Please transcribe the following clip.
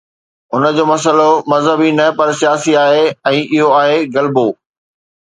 هن جو مسئلو مذهبي نه پر سياسي آهي ۽ اهو آهي غلبو.